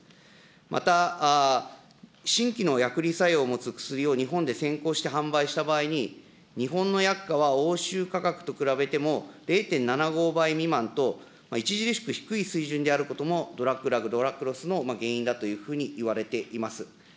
また新規の薬理作用を持つ薬を日本で先行して販売した場合に、日本の薬価は欧州価格と比べても０．７５倍未満と、著しく低い水準であることも、ドラッグラグ、ドラッグロスの原因だというふうにいわれています。